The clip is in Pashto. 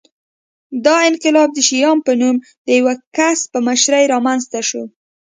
دا انقلاب د شیام په نوم د یوه کس په مشرۍ رامنځته شو